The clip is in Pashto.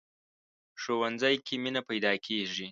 ښوونځی کې مینه پيداکېږي